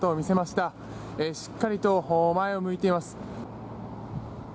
しっかりと前を向いています。